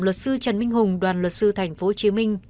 luật sư trần minh hùng đoàn luật sư tp hcm